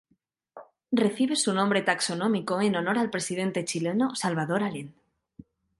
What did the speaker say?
Recibe su nombre taxonómico en honor al presidente chileno Salvador Allende.